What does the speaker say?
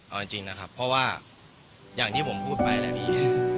เอาจริงนะครับเพราะว่าอย่างที่ผมพูดไปแล้วพี่